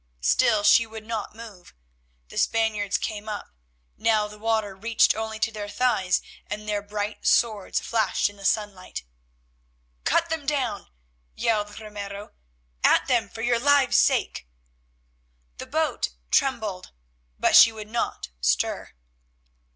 Still she would not move. The Spaniards came up, now the water reached only to their thighs, and their bright swords flashed in the sunlight. "Cut them down!" yelled Ramiro. "At them for your lives' sake." The boat trembled, but she would not stir.